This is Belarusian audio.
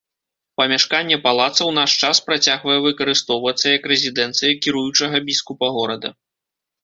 Памяшканне палаца ў наш час працягвае выкарыстоўвацца як рэзідэнцыя кіруючага біскупа горада.